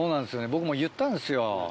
僕も言ったんですよ。